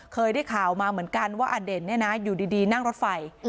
เคยได้ข่าวมาเหมือนกันว่าอเด่นเนี่ยนะอยู่ดีนั่งรถไฟ